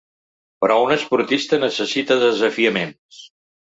Però un esportista necessita desafiaments.